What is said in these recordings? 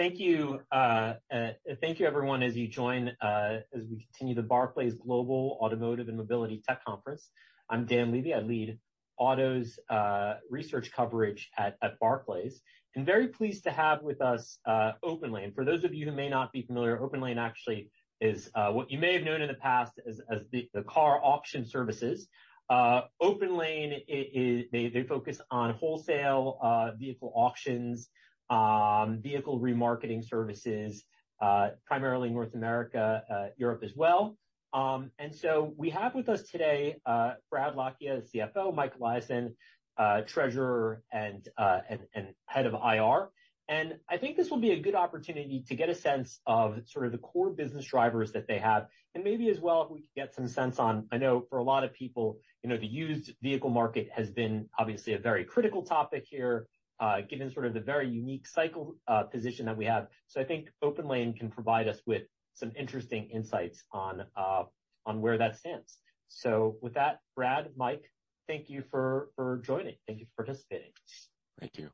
Great. Thank you. Thank you, everyone, as you join, as we continue the Barclays Global Automotive and Mobility Tech Conference. I'm Dan Levy. I lead autos research coverage at Barclays. I'm very pleased to have with us OPENLANE. For those of you who may not be familiar, OPENLANE actually is what you may have known in the past as the KAR Auction Services. OPENLANE is. They focus on wholesale vehicle auctions, vehicle remarketing services, primarily in North America, Europe as well. And so we have with us today Brad Lakhia, the CFO, Mike Eliason, Treasurer and Head of IR. I think this will be a good opportunity to get a sense of sort of the core business drivers that they have, and maybe as well, if we could get some sense on. I know for a lot of people, you know, the used vehicle market has been obviously a very critical topic here, given sort of the very unique cycle position that we have. So I think OPENLANE can provide us with some interesting insights on where that stands. So with that, Brad, Mike, thank you for joining. Thank you for participating. Thank you.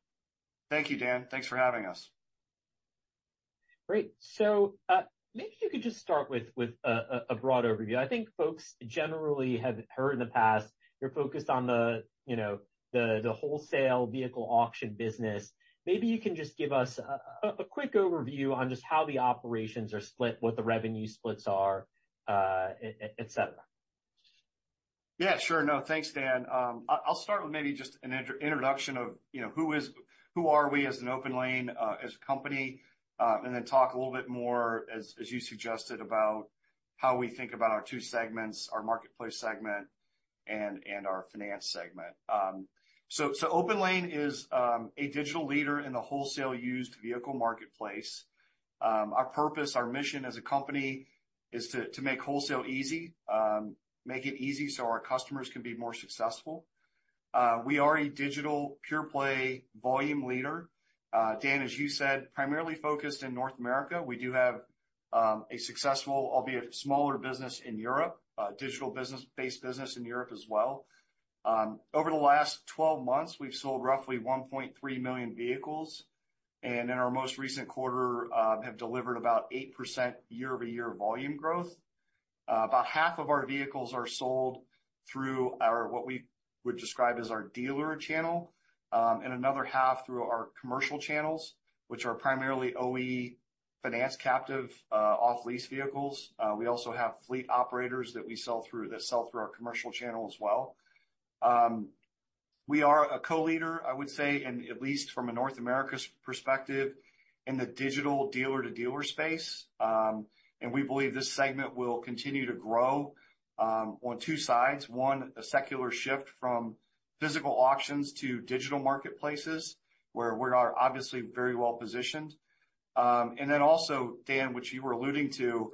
Thank you, Dan. Thanks for having us. Great. So, maybe you could just start with a broad overview. I think folks generally have heard in the past, you're focused on the, you know, the wholesale vehicle auction business. Maybe you can just give us a quick overview on just how the operations are split, what the revenue splits are, uh, et cetera. Yeah, sure. No, thanks, Dan. I'll start with maybe just an introduction of, you know, who we are as an OPENLANE, as a company, and then talk a little bit more, as you suggested, about how we think about our two segments, our marketplace segment and our finance segment. So OPENLANE is a digital leader in the wholesale used vehicle marketplace. Our purpose, our mission as a company is to make wholesale easy, make it easy so our customers can be more successful. We are a digital pure play volume leader. Dan, as you said, primarily focused in North America. We do have a successful, albeit smaller business in Europe, digital-based business in Europe as well. Over the last 12 months, we've sold roughly 1.3 million vehicles, and in our most recent quarter, have delivered about 8% year-over-year volume growth. About half of our vehicles are sold through our, what we would describe as our dealer channel, and another half through our commercial channels, which are primarily OEM captive finance off-lease vehicles. We also have fleet operators that sell through our commercial channel as well. We are a co-leader, I would say, and at least from a North American perspective, in the digital dealer-to-dealer space. And we believe this segment will continue to grow, on two sides. One, a secular shift from physical auctions to digital marketplaces, where we are obviously very well positioned. And then also, Dan, which you were alluding to,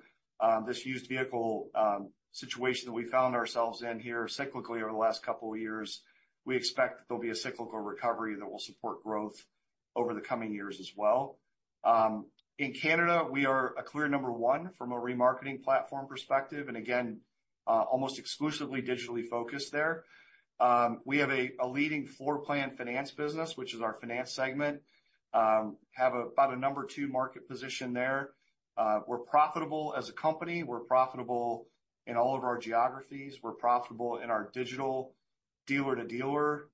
this used vehicle situation that we found ourselves in here cyclically over the last couple of years. We expect that there'll be a cyclical recovery that will support growth over the coming years as well. In Canada, we are a clear number one from a remarketing platform perspective, and again, almost exclusively digitally focused there. We have a leading floor plan financing business, which is our finance segment. We have about a number two market position there. We're profitable as a company. We're profitable in all of our geographies. We're profitable in our digital dealer-to-dealer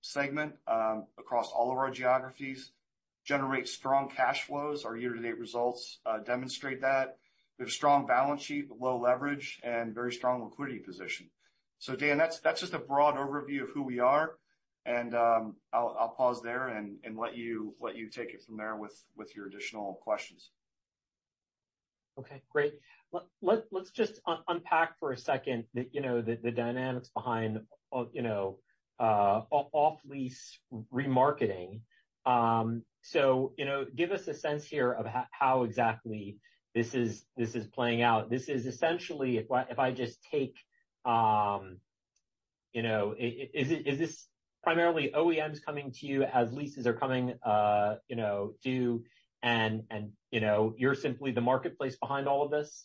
segment across all of our geographies. We generate strong cash flows. Our year-to-date results demonstrate that. We have a strong balance sheet, low leverage, and very strong liquidity position. So, Dan, that's, that's just a broad overview of who we are, and, I'll, I'll pause there and, and let you, let you take it from there with, with your additional questions. Okay, great. Let's just unpack for a second the, you know, the dynamics behind, you know, off-lease remarketing. So, you know, give us a sense here of how exactly this is, this is playing out. This is essentially, if I just take, you know... Is it, is this primarily OEMs coming to you as leases are coming, you know, due and, and, you know, you're simply the marketplace behind all of this?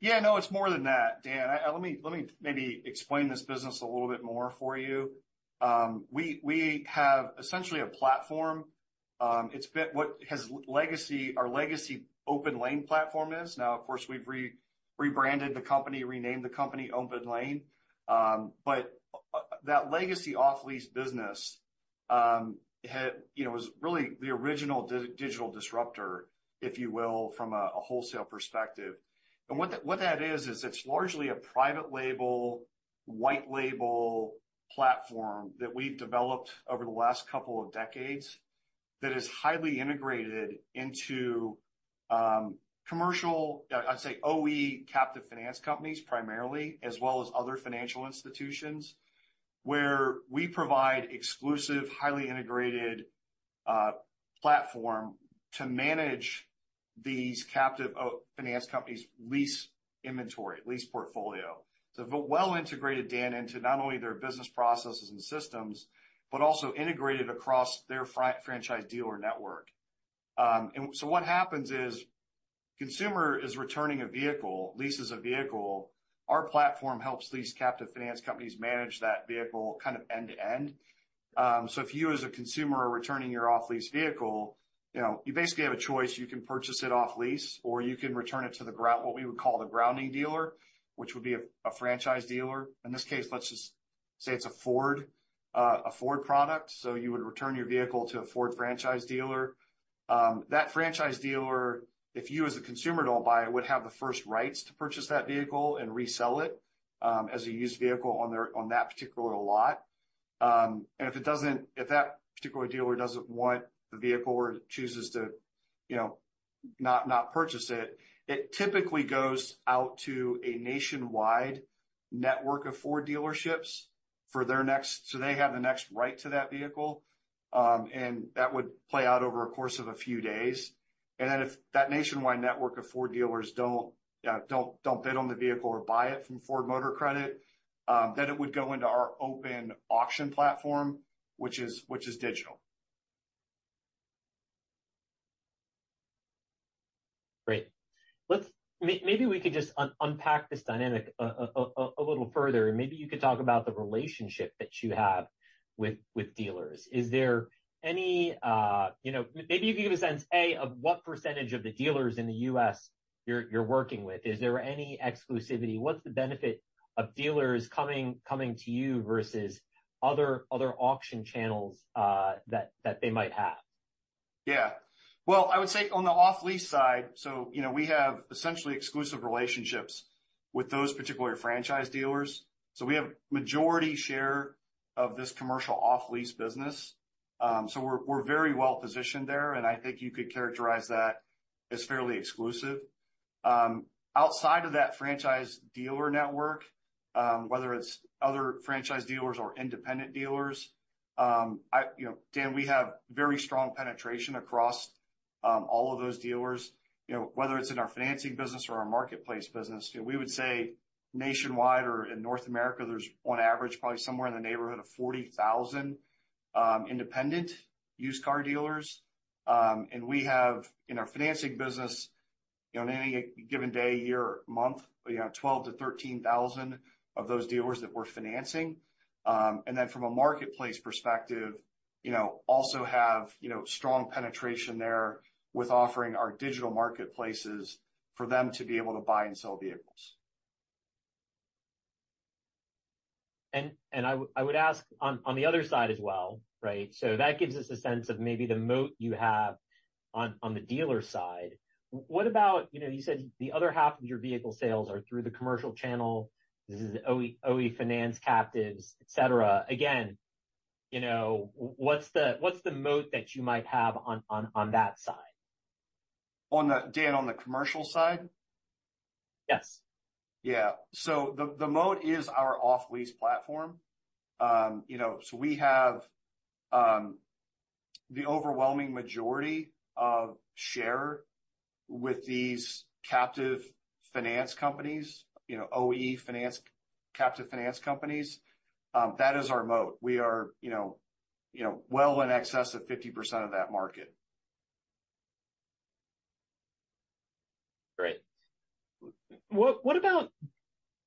Yeah, no, it's more than that, Dan. Let me maybe explain this business a little bit more for you. We have essentially a platform. It's our legacy OPENLANE platform. Now, of course, we've rebranded the company, renamed the company OPENLANE. But that legacy off-lease business you know was really the original digital disruptor, if you will, from a wholesale perspective. And what that is, is it's largely a private label, white label platform that we've developed over the last couple of decades, that is highly integrated into commercial, I'd say, OEM captive finance companies, primarily, as well as other financial institutions. Where we provide exclusive, highly integrated platform to manage these captive finance companies' lease inventory, lease portfolio. So well integrated, Dan, into not only their business processes and systems, but also integrated across their franchise dealer network. And so what happens is a consumer is returning a vehicle, leases a vehicle, our platform helps these captive finance companies manage that vehicle kind of end-to-end. So if you, as a consumer, are returning your off-lease vehicle, you know, you basically have a choice. You can purchase it off lease, or you can return it to what we would call the grounding dealer, which would be a franchise dealer. In this case, let's just say it's a Ford, a Ford product, so you would return your vehicle to a Ford franchise dealer. That franchise dealer, if you, as a consumer, don't buy it, would have the first rights to purchase that vehicle and resell it, as a used vehicle on that particular lot. If that particular dealer doesn't want the vehicle or chooses to, you know, not purchase it, it typically goes out to a nationwide network of Ford dealerships for their next so they have the next right to that vehicle. And that would play out over a course of a few days. And then if that nationwide network of Ford dealers don't bid on the vehicle or buy it from Ford Motor Credit, then it would go into our open auction platform, which is digital. Great. Let's maybe we could just unpack this dynamic a little further, and maybe you could talk about the relationship that you have with dealers. Is there any... You know, maybe you could give a sense of what percentage of the dealers in the U.S. you're working with. Is there any exclusivity? What's the benefit of dealers coming to you versus other auction channels that they might have? Yeah. Well, I would say on the off-lease side, so, you know, we have essentially exclusive relationships with those particular franchise dealers. So we have majority share of this commercial off-lease business. So we're very well-positioned there, and I think you could characterize that as fairly exclusive. Outside of that franchise dealer network, whether it's other franchise dealers or independent dealers, you know, Dan, we have very strong penetration across all of those dealers. You know, whether it's in our financing business or our marketplace business, you know, we would say nationwide or in North America, there's on average, probably somewhere in the neighborhood of 40,000 independent used car dealers. And we have in our financing business, you know, on any given day, year, month, you know, 12,000-13,000 of those dealers that we're financing. And then from a marketplace perspective, you know, also have, you know, strong penetration there with offering our digital marketplaces for them to be able to buy and sell vehicles. I would ask on the other side as well, right? So that gives us a sense of maybe the moat you have on the dealer side. What about... You know, you said the other half of your vehicle sales are through the commercial channel. This is OE, OE finance, captives, et cetera. Again, you know, what's the moat that you might have on that side? On the, Dan, on the commercial side? Yes. Yeah. So the moat is our off-lease platform. You know, so we have the overwhelming majority of share with these captive finance companies, you know, OE finance, captive finance companies. That is our moat. We are, you know, you know, well in excess of 50% of that market. Great. What about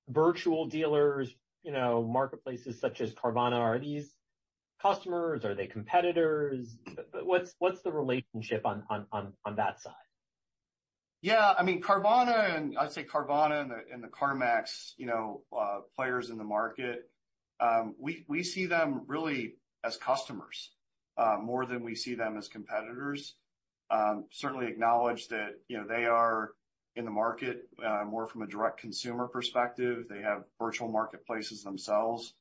virtual dealers, you know, marketplaces such as Carvana? Are these customers, are they competitors? What's the relationship on that side? Yeah, I mean, Carvana, and I'd say Carvana and the, and the CarMax, you know, players in the market, we see them really as customers, more than we see them as competitors. Certainly acknowledge that, you know, they are in the market, more from a direct consumer perspective. They have virtual marketplaces themselves,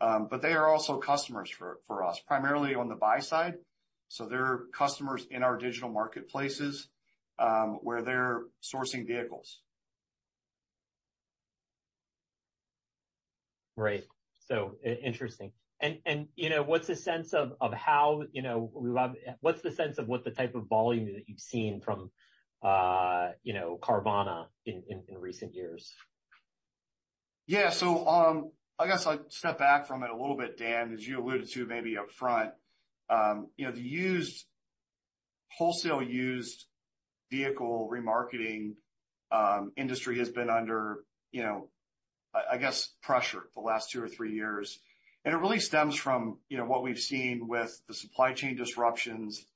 but they are also customers for us, primarily on the buy side. So they're customers in our digital marketplaces, where they're sourcing vehicles. Great. So, interesting. And, you know, what's the sense of what the type of volume that you've seen from, you know, Carvana in recent years? Yeah, so, I guess I'll step back from it a little bit, Dan, as you alluded to maybe upfront. You know, the used, wholesale used vehicle remarketing industry has been under, you know, I guess, pressure the last two or three years. And it really stems from, you know, what we've seen with the supply chain disruptions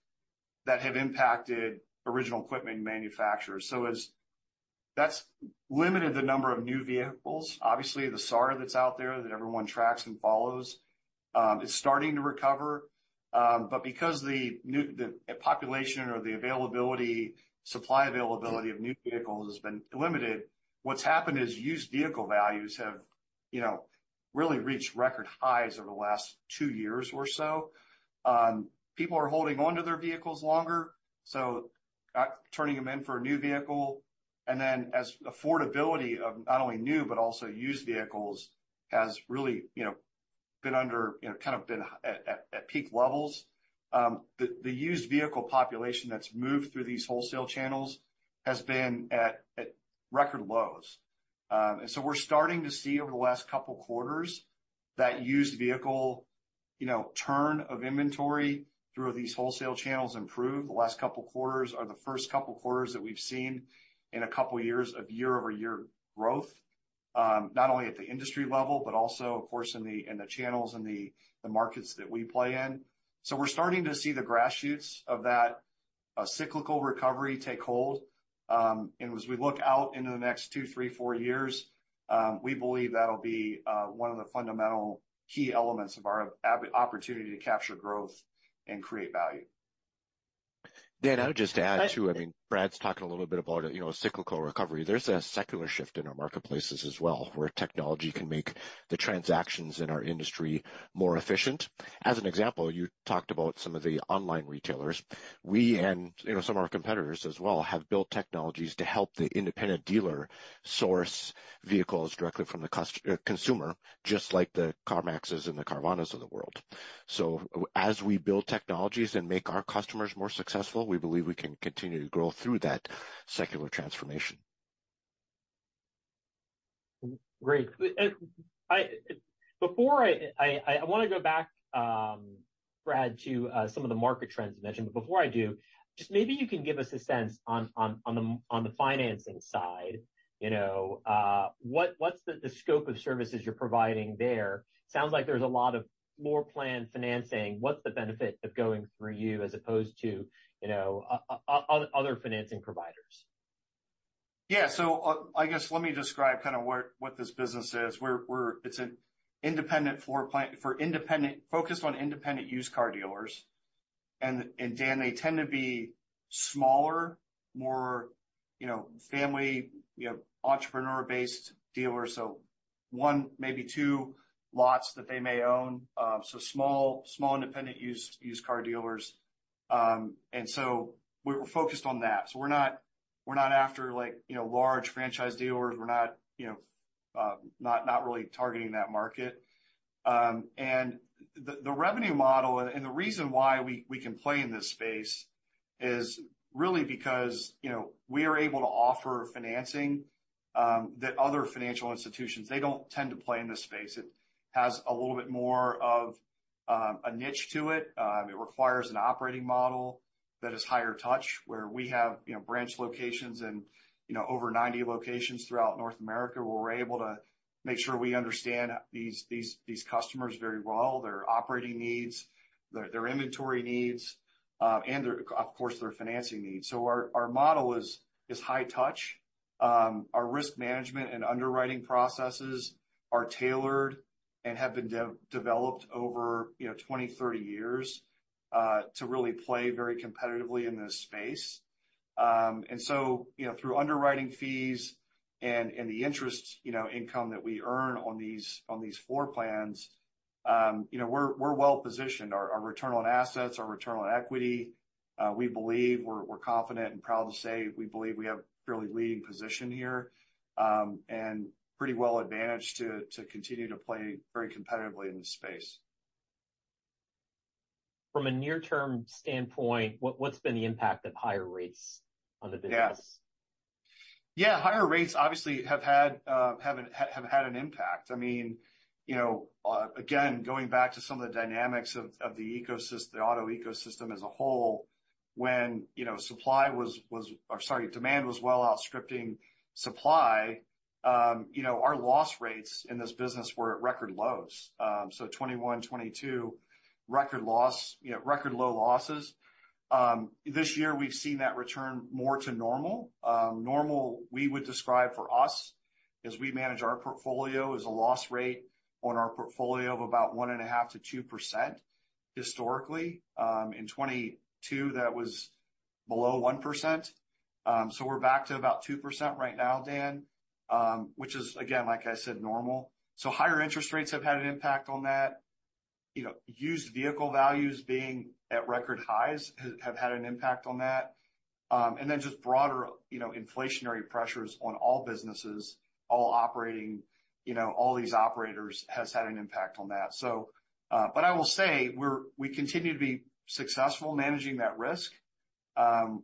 that have impacted original equipment manufacturers. So that's limited the number of new vehicles. Obviously, the SAAR that's out there, that everyone tracks and follows, is starting to recover. But because the population or the availability, supply availability of new vehicles has been limited, what's happened is used vehicle values have, you know, really reached record highs over the last two years or so. People are holding on to their vehicles longer, so not turning them in for a new vehicle. And then, as affordability of not only new but also used vehicles has really, you know, been under, you know, kind of been at, at, at peak levels, the used vehicle population that's moved through these wholesale channels has been at record lows. And so we're starting to see over the last couple quarters, that used vehicle, you know, turn of inventory through these wholesale channels improved. The last couple of quarters are the first couple of quarters that we've seen in a couple of years of year-over-year growth, not only at the industry level, but also, of course, in the channels and the markets that we play in. So we're starting to see the grass shoots of that cyclical recovery take hold. As we look out into the next two, three, four years, we believe that'll be one of the fundamental key elements of our opportunity to capture growth and create value. Dan, I would just add, too, I mean, Brad's talking a little bit about, you know, cyclical recovery. There's a secular shift in our marketplaces as well, where technology can make the transactions in our industry more efficient. As an example, you talked about some of the online retailers. We and, you know, some of our competitors as well, have built technologies to help the independent dealer source vehicles directly from the consumer, just like the CarMaxes and the Carvanas of the world. So as we build technologies and make our customers more successful, we believe we can continue to grow through that secular transformation. Great. Before I want to go back, Brad, to some of the market trends you mentioned. But before I do, just maybe you can give us a sense on the financing side, you know, what's the scope of services you're providing there? Sounds like there's a lot of floor plan financing. What's the benefit of going through you as opposed to, you know, other financing providers? Yeah. So, I guess let me describe kind of what this business is. It's an independent floor plan focused on independent used car dealers. And Dan, they tend to be smaller, more, you know, family, you know, entrepreneur-based dealers. So one, maybe two lots that they may own. So small, independent used car dealers. And so we're focused on that. So we're not after like, you know, large franchise dealers. We're not, you know, not really targeting that market. And the revenue model and the reason why we can play in this space is really because, you know, we are able to offer financing that other financial institutions, they don't tend to play in this space. It has a little bit more of a niche to it. It requires an operating model that is higher touch, where we have, you know, branch locations and, you know, over 90 locations throughout North America, where we're able to make sure we understand these customers very well, their operating needs, their inventory needs, and, of course, their financing needs. So our model is high touch. Our risk management and underwriting processes are tailored and have been developed over, you know, 20-30 years to really play very competitively in this space. And so, you know, through underwriting fees and the interest, you know, income that we earn on these floor plans, you know, we're well positioned. Our return on assets, our return on equity, we believe we're confident and proud to say we believe we have a really leading position here, and pretty well advantaged to continue to play very competitively in this space. From a near-term standpoint, what's been the impact of higher rates on the business? Yeah. Yeah, higher rates obviously have had an impact. I mean, you know, again, going back to some of the dynamics of the ecosystem, the auto ecosystem as a whole, when, you know, supply was or sorry, demand was well outstripping supply, you know, our loss rates in this business were at record lows. So 2021, 2022 record loss, you know, record low losses. This year, we've seen that return more to normal. Normal, we would describe for us, as we manage our portfolio, is a loss rate on our portfolio of about 1.5%-2% historically. In 2022, that was below 1%. So we're back to about 2% right now, Dan, which is, again, like I said, normal. So higher interest rates have had an impact on that. You know, used vehicle values being at record highs have had an impact on that. And then just broader, you know, inflationary pressures on all businesses, all operating, you know, all these operators has had an impact on that. So, but I will say, we continue to be successful managing that risk.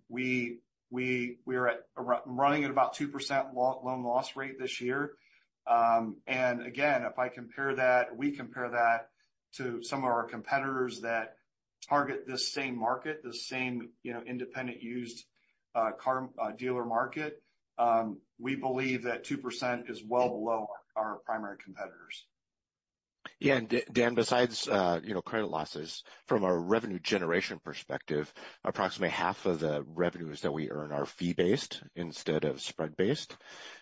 We are running at about 2% loan loss rate this year. And again, if I compare that, we compare that to some of our competitors that target this same market, the same, you know, independent used car dealer market, we believe that 2% is well below our primary competitors. Yeah. Dan, besides, you know, credit losses, from a revenue generation perspective, approximately half of the revenues that we earn are fee-based instead of spread-based.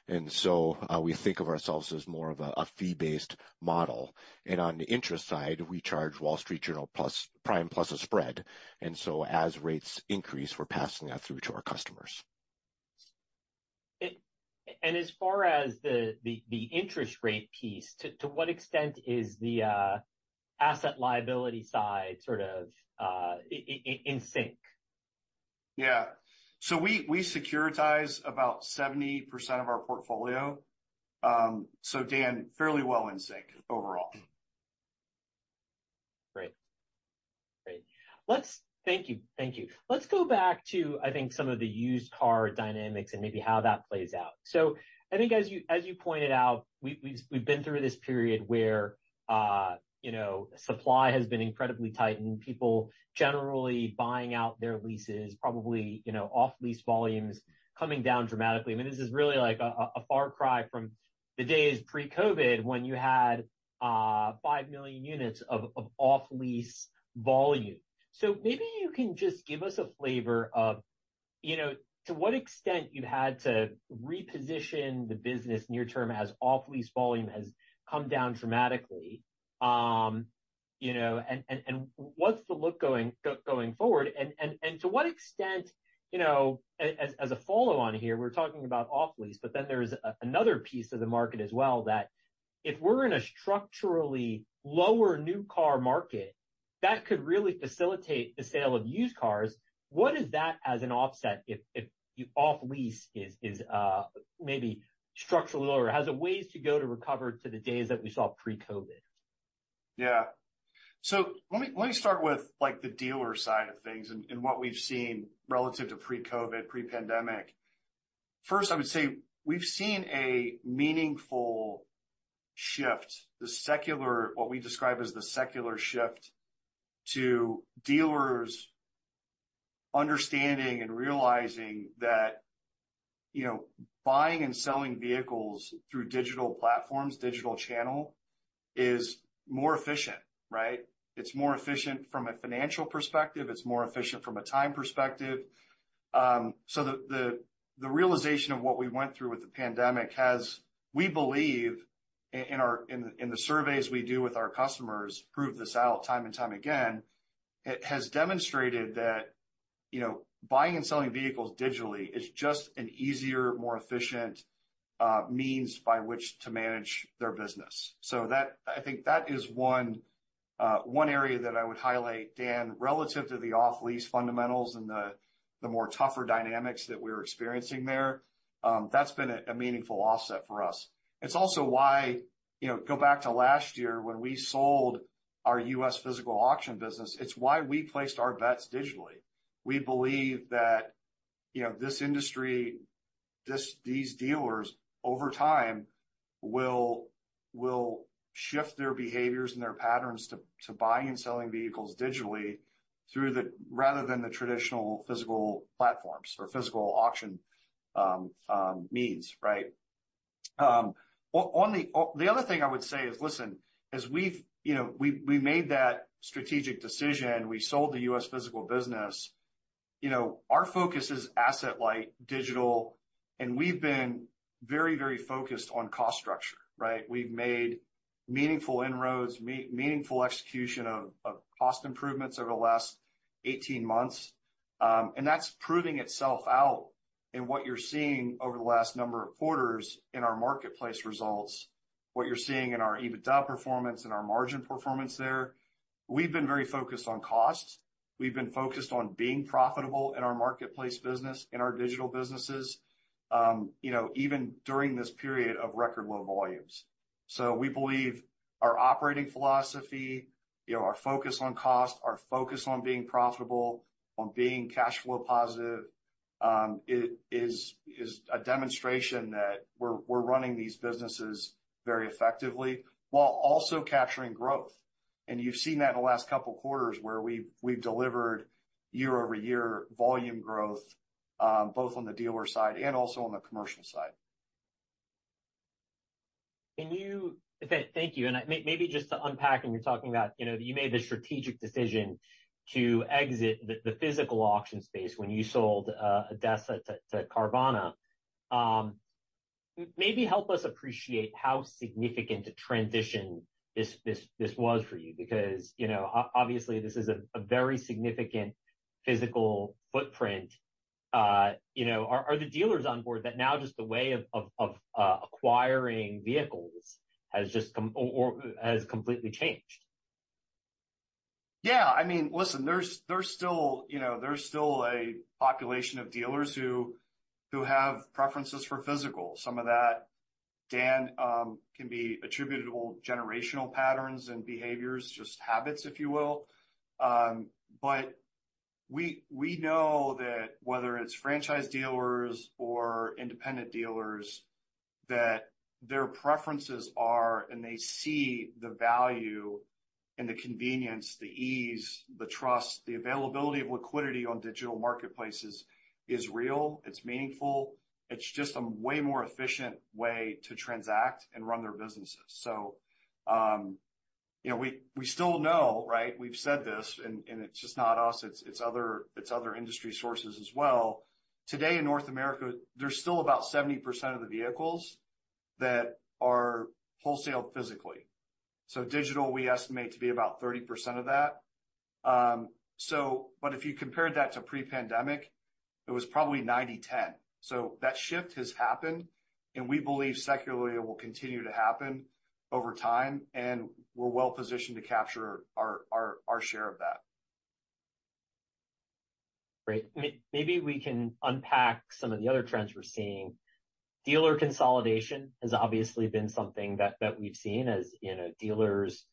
And so, we think of ourselves as more of a fee-based model. And on the interest side, we charge Wall Street Journal prime plus a spread. And so as rates increase, we're passing that through to our customers. And as far as the interest rate piece, to what extent is the asset liability side sort of in sync? Yeah. So we securitize about 70% of our portfolio. So Dan, fairly well in sync overall. Great. Thank you. Let's go back to, I think, some of the used car dynamics and maybe how that plays out. So I think as you pointed out, we've been through this period where, you know, supply has been incredibly tight and people generally buying out their leases, probably, you know, off-lease volumes coming down dramatically. I mean, this is really like a far cry from the days pre-COVID, when you had 5 million units of off-lease volume. So maybe you can just give us a flavor of, you know, to what extent you've had to reposition the business near term as off-lease volume has come down dramatically. You know, and what's the look going forward? To what extent, you know, as a follow-on here, we're talking about off-lease, but then there's another piece of the market as well, that if we're in a structurally lower new car market, that could really facilitate the sale of used cars. What is that as an offset, if off-lease is maybe structurally lower? Has it ways to go to recover to the days that we saw pre-COVID? Yeah. So let me start with, like, the dealer side of things and what we've seen relative to pre-COVID, pre-pandemic. First, I would say we've seen a meaningful shift, the secular—what we describe as the secular shift to dealers understanding and realizing that, you know, buying and selling vehicles through digital platforms, digital channel, is more efficient, right? It's more efficient from a financial perspective. It's more efficient from a time perspective. So the realization of what we went through with the pandemic has, we believe, in the surveys we do with our customers, proved this out time and time again. It has demonstrated that, you know, buying and selling vehicles digitally is just an easier, more efficient means by which to manage their business. So that I think that is one, one area that I would highlight, Dan, relative to the off-lease fundamentals and the more tougher dynamics that we're experiencing there. That's been a meaningful offset for us. It's also why, you know, go back to last year when we sold our U.S. physical auction business, it's why we placed our bets digitally. We believe that, you know, this industry, these dealers, over time, will shift their behaviors and their patterns to buying and selling vehicles digitally through the... Rather than the traditional physical platforms or physical auction, means, right? On the other thing I would say is, listen, as we've... You know, we made that strategic decision, we sold the U.S. physical business. You know, our focus is asset-light, digital, and we've been very, very focused on cost structure, right? We've made meaningful inroads, meaningful execution of cost improvements over the last 18 months. And that's proving itself out in what you're seeing over the last number of quarters in our marketplace results, what you're seeing in our EBITDA performance and our margin performance there. We've been very focused on costs. We've been focused on being profitable in our marketplace business, in our digital businesses, you know, even during this period of record low volumes. So we believe our operating philosophy, you know, our focus on cost, our focus on being profitable, on being cash flow positive, it is a demonstration that we're running these businesses very effectively while also capturing growth. You've seen that in the last couple of quarters, where we've delivered year-over-year volume growth, both on the dealer side and also on the commercial side. Thank you. And maybe just to unpack, when you're talking about, you know, you made the strategic decision to exit the physical auction space when you sold ADESA to Carvana. Maybe help us appreciate how significant a transition this was for you, because, you know, obviously, this is a very significant physical footprint. You know, are the dealers on board that now just the way of acquiring vehicles has just completely changed? Yeah. I mean, listen, there's still, you know, there's still a population of dealers who have preferences for physical. Some of that, Dan, can be attributable generational patterns and behaviors, just habits, if you will. But we know that whether it's franchise dealers or independent dealers, that their preferences are, and they see the value and the convenience, the ease, the trust, the availability of liquidity on digital marketplaces is real, it's meaningful. It's just a way more efficient way to transact and run their businesses. So, you know, we still know, right? We've said this, and it's just not us, it's other industry sources as well. Today, in North America, there's still about 70% of the vehicles that are wholesaled physically. So digital, we estimate to be about 30% of that. So, but if you compared that to pre-pandemic, it was probably 90-10. So that shift has happened, and we believe secularly, it will continue to happen over time, and we're well positioned to capture our share of that.... Great. Maybe we can unpack some of the other trends we're seeing. Dealer consolidation has obviously been something that we've seen as, you know, dealers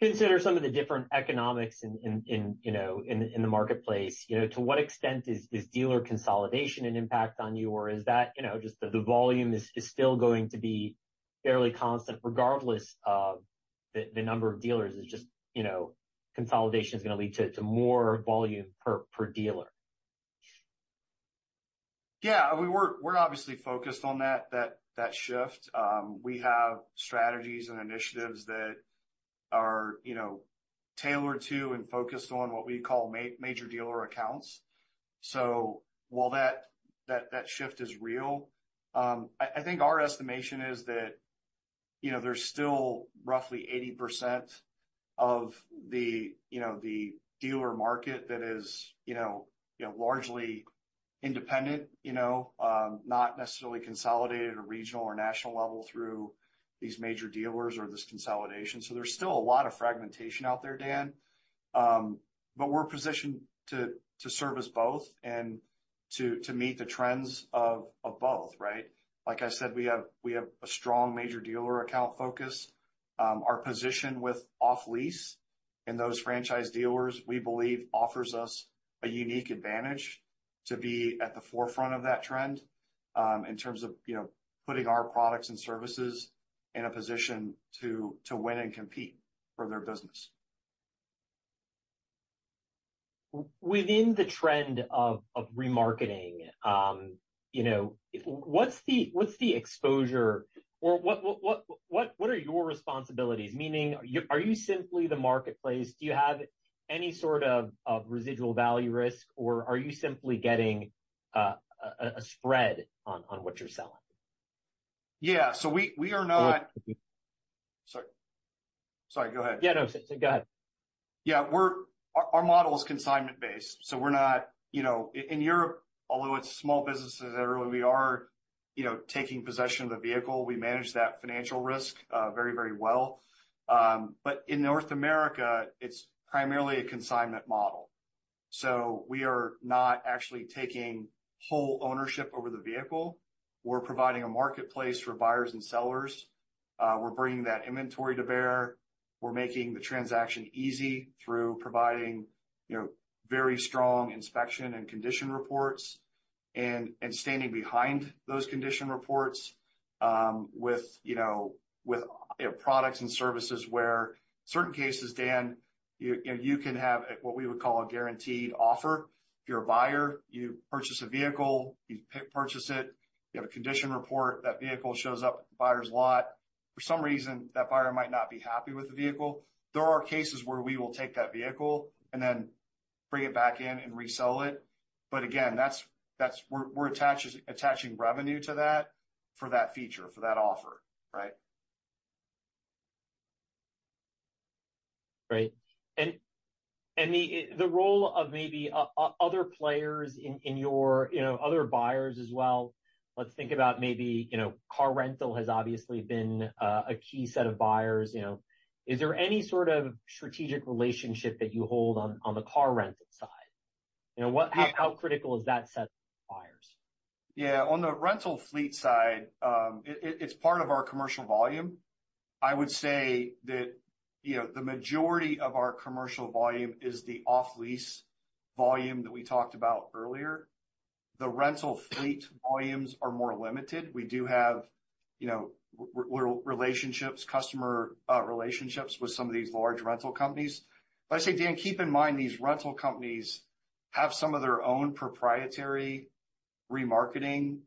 consider some of the different economics in, you know, in the marketplace. You know, to what extent is dealer consolidation an impact on you? Or is that, you know, just the volume is still going to be fairly constant, regardless of the number of dealers? Is just, you know, consolidation gonna lead to more volume per dealer. Yeah, we're obviously focused on that shift. We have strategies and initiatives that are, you know, tailored to and focused on what we call major dealer accounts. So while that shift is real, I think our estimation is that, you know, there's still roughly 80% of the, you know, the dealer market that is, you know, largely independent, you know, not necessarily consolidated at a regional or national level through these major dealers or this consolidation. So there's still a lot of fragmentation out there, Dan. But we're positioned to service both and to meet the trends of both, right? Like I said, we have a strong major dealer account focus. Our position with off-lease and those franchise dealers, we believe, offers us a unique advantage to be at the forefront of that trend, in terms of, you know, putting our products and services in a position to win and compete for their business. Within the trend of remarketing, you know, what's the exposure or what are your responsibilities? Meaning, are you simply the marketplace? Do you have any sort of residual value risk, or are you simply getting a spread on what you're selling? Yeah. So we are not- Or- Sorry. Sorry, go ahead. Yeah, no, go ahead. Yeah, our model is consignment-based, so we're not... You know, in Europe, although it's small businesses, generally, we are, you know, taking possession of the vehicle. We manage that financial risk very, very well. But in North America, it's primarily a consignment model. So we are not actually taking whole ownership over the vehicle. We're providing a marketplace for buyers and sellers. We're bringing that inventory to bear. We're making the transaction easy through providing, you know, very strong inspection and condition reports and standing behind those condition reports with, you know, products and services where certain cases, Dan, you can have what we would call a guaranteed offer. If you're a buyer, you purchase a vehicle, you purchase it, you have a condition report, that vehicle shows up at the buyer's lot. For some reason, that buyer might not be happy with the vehicle. There are cases where we will take that vehicle and then bring it back in and resell it. But again, that's, we're attaching revenue to that for that feature, for that offer, right? Right. And the role of maybe other players in your, you know, other buyers as well. Let's think about maybe, you know, car rental has obviously been a key set of buyers, you know. Is there any sort of strategic relationship that you hold on the car rental side? You know, what- Yeah. How critical is that set of buyers? Yeah, on the rental fleet side, it, it's part of our commercial volume. I would say that, you know, the majority of our commercial volume is the off-lease volume that we talked about earlier. The rental fleet volumes are more limited. We do have, you know, relationships, customer relationships with some of these large rental companies. But I say, Dan, keep in mind, these rental companies have some of their own proprietary remarketing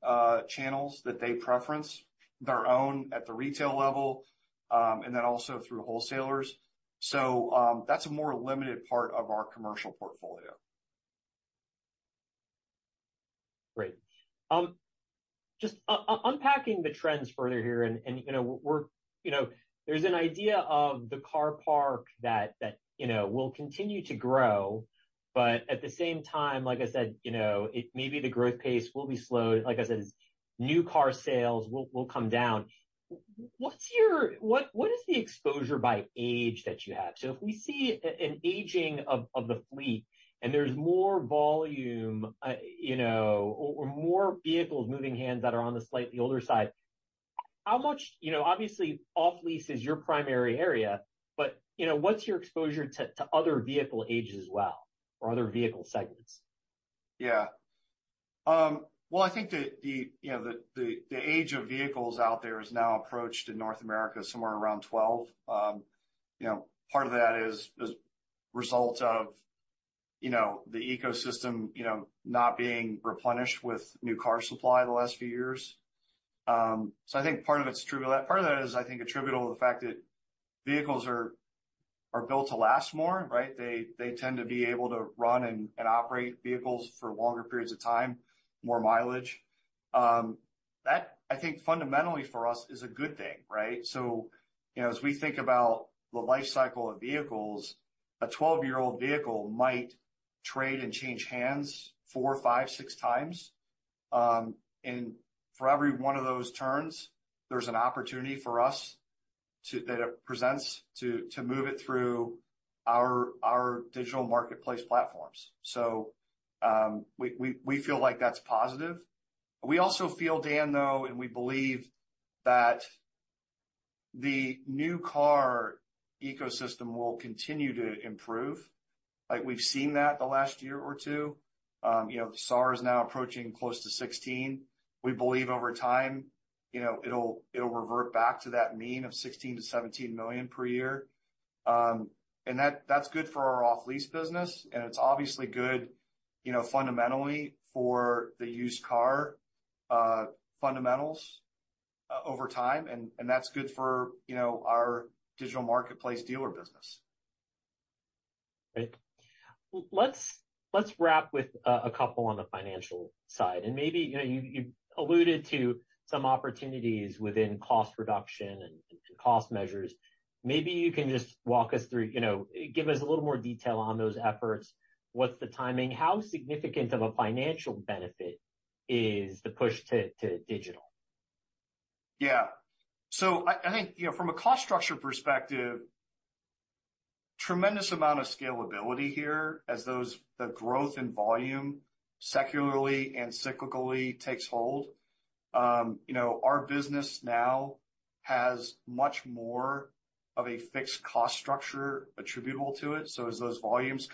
channels that they preference, their own at the retail level, and then also through wholesalers. So, that's a more limited part of our commercial portfolio. Great. Just unpacking the trends further here, and, you know, we're... You know, there's an idea of the car park that, you know, will continue to grow, but at the same time, like I said, you know, it—maybe the growth pace will be slow. Like I said, new car sales will come down. What's your—what is the exposure by age that you have? So if we see an aging of the fleet and there's more volume, you know, or more vehicles moving hands that are on the slightly older side, how much—you know, obviously, off lease is your primary area, but, you know, what's your exposure to other vehicle ages as well, or other vehicle segments? Yeah. Well, I think the age of vehicles out there is now approaching in North America somewhere around 12. You know, part of that is a result of the ecosystem not being replenished with new car supply the last few years. So I think part of it's true, part of that is, I think, attributable to the fact that vehicles are built to last more, right? They tend to be able to run and operate vehicles for longer periods of time, more mileage. That, I think, fundamentally for us, is a good thing, right? So, you know, as we think about the life cycle of vehicles, a 12-year-old vehicle might trade and change hands four, five, six times. And for every one of those turns, there's an opportunity for us-... to that it presents to move it through our digital marketplace platforms. So, we feel like that's positive. We also feel, Dan, though, and we believe that the new car ecosystem will continue to improve, like we've seen that the last year or two. You know, SAR is now approaching close to 16. We believe over time, you know, it'll revert back to that mean of 16 to 17 million per year. And that that's good for our off-lease business, and it's obviously good, you know, fundamentally for the used car fundamentals over time, and that's good for, you know, our digital marketplace dealer business. Great. Let's, let's wrap with a couple on the financial side, and maybe, you know, you alluded to some opportunities within cost reduction and cost measures. Maybe you can just walk us through, you know, give us a little more detail on those efforts. What's the timing? How significant of a financial benefit is the push to digital? Yeah. So I, I think, you know, from a cost structure perspective, tremendous amount of scalability here as those... the growth in volume, secularly and cyclically takes hold. You know, our business now has much more of a fixed cost structure attributable to it. So as those volumes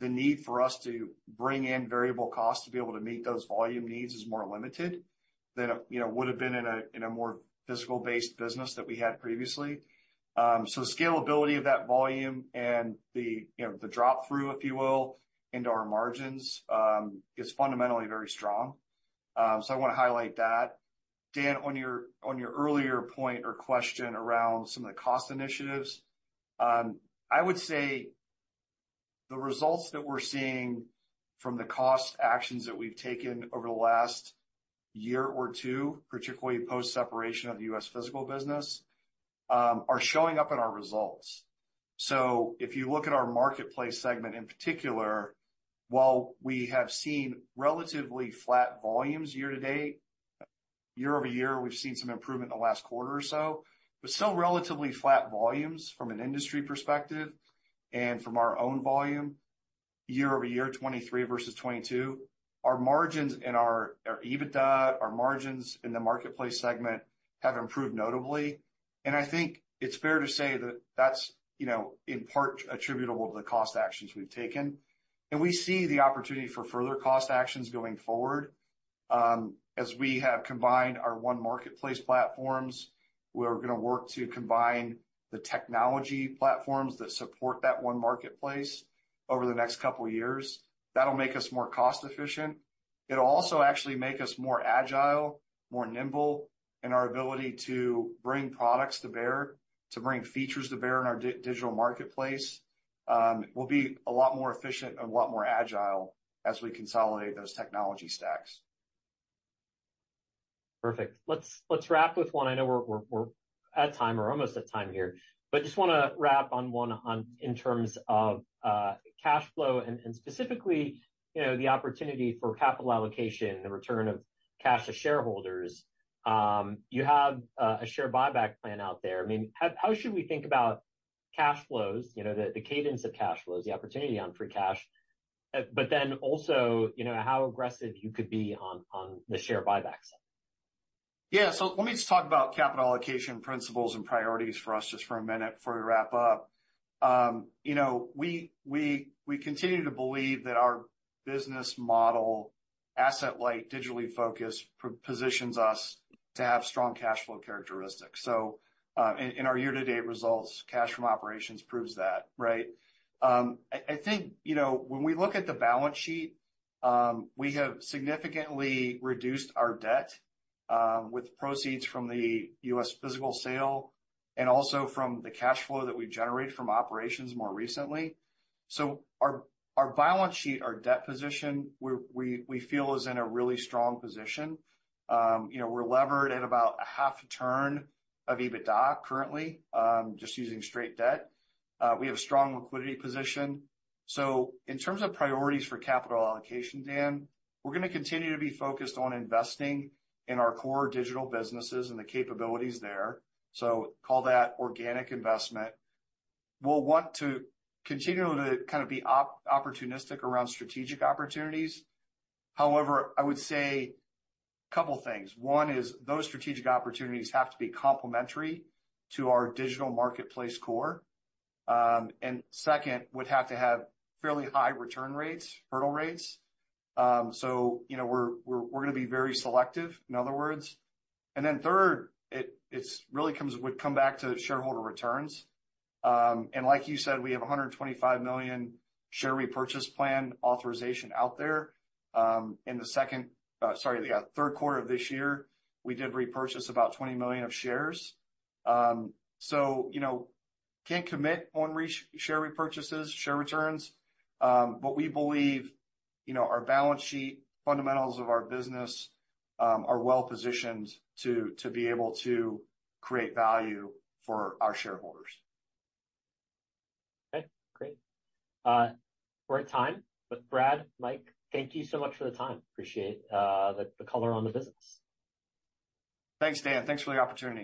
come back, the need for us to bring in variable costs to be able to meet those volume needs is more limited than, you know, would have been in a, in a more physical-based business that we had previously. So the scalability of that volume and the, you know, the drop-through, if you will, into our margins is fundamentally very strong. So I wanna highlight that. Dan, on your earlier point or question around some of the cost initiatives, I would say the results that we're seeing from the cost actions that we've taken over the last year or two, particularly post-separation of the U.S. physical business, are showing up in our results. So if you look at our marketplace segment in particular, while we have seen relatively flat volumes year to date, year over year, we've seen some improvement in the last quarter or so, but still relatively flat volumes from an industry perspective and from our own volume, year over year, 2023 versus 2022. Our margins and our EBITDA, our margins in the marketplace segment have improved notably, and I think it's fair to say that that's, you know, in part attributable to the cost actions we've taken. And we see the opportunity for further cost actions going forward. As we have combined our one marketplace platforms, we're gonna work to combine the technology platforms that support that one marketplace over the next couple of years. That'll make us more cost-efficient. It'll also actually make us more agile, more nimble in our ability to bring products to bear, to bring features to bear in our digital marketplace. We'll be a lot more efficient and a lot more agile as we consolidate those technology stacks. Perfect. Let's wrap with one. I know we're at time or almost at time here, but just wanna wrap on one, in terms of cash flow and specifically, you know, the opportunity for capital allocation, the return of cash to shareholders. You have a share buyback plan out there. I mean, how should we think about cash flows? You know, the cadence of cash flows, the opportunity on free cash, but then also, you know, how aggressive you could be on the share buyback side? Yeah. So let me just talk about capital allocation principles and priorities for us just for a minute before we wrap up. You know, we continue to believe that our business model, asset light, digitally focused, positions us to have strong cash flow characteristics. So, in our year-to-date results, cash from operations proves that, right? I think, you know, when we look at the balance sheet, we have significantly reduced our debt with proceeds from the U.S. physical sale and also from the cash flow that we've generated from operations more recently. So our balance sheet, our debt position, we feel is in a really strong position. You know, we're levered at about a half turn of EBITDA currently, just using straight debt. We have a strong liquidity position. So in terms of priorities for capital allocation, Dan, we're gonna continue to be focused on investing in our core digital businesses and the capabilities there. So call that organic investment. We'll want to continue to kind of be opportunistic around strategic opportunities. However, I would say a couple of things. One is those strategic opportunities have to be complementary to our digital marketplace core. And second, would have to have fairly high return rates, hurdle rates. So, you know, we're gonna be very selective, in other words. And then third, it would come back to shareholder returns. And like you said, we have a $125 million share repurchase plan authorization out there. In the third quarter of this year, we did repurchase about 20 million shares. So, you know, can't commit on share repurchases, share returns, but we believe, you know, our balance sheet, fundamentals of our business, are well-positioned to be able to create value for our shareholders. Okay, great. We're at time, but Brad, Mike, thank you so much for the time. Appreciate the color on the business. Thanks, Dan. Thanks for the opportunity.